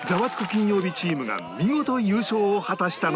金曜日チームが見事優勝を果たしたのでした